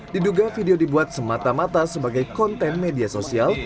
diduga video dibuat semata mata sebagai konten media sosial